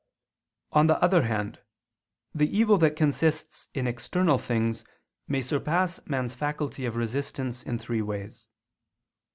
_ On the other hand, the evil that consists in external things may surpass man's faculty of resistance in three ways.